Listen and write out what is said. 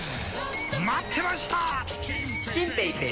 待ってました！